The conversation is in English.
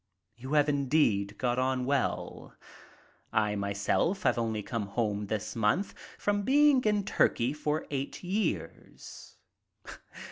You have indeed got on well. I myself have only this month come home from being in Turkey for eight years.